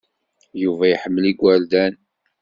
Yuba iḥemmel igerdan.